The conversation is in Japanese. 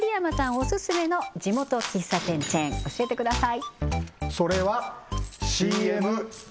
オススメの地元喫茶店チェーン教えてください